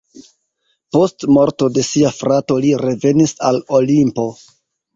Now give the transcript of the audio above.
Post morto de sia frato li revenis al Olimpo.